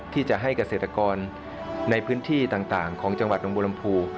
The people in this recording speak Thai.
ที่จะให้เกษตรกรในพื้นที่ต่างของจังหวัดน้องบูรมภู